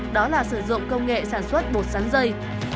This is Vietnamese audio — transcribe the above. đó là sử dụng công nghệ sản xuất bột sắn dây